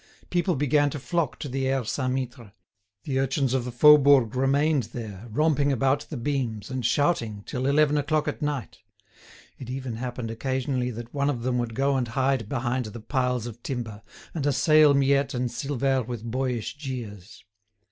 People began to flock to the Aire Saint Mittre, the urchins of the Faubourg remained there, romping about the beams, and shouting, till eleven o'clock at night. It even happened occasionally that one of them would go and hide behind the piles of timber, and assail Miette and Silvère with boyish jeers.